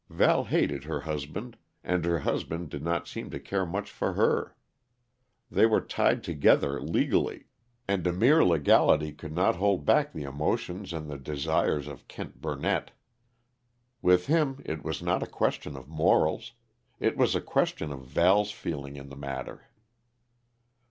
Val hated her husband, and her husband did not seem to care much for her. They were tied together legally. And a mere legality could not hold back the emotions and the desires of Kent Burnett. With him, it was not a question of morals: it was a question of Val's feeling in the matter.